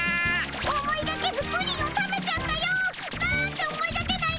思いがけずプリンを食べちゃったよ。なんて思いがけないんだい。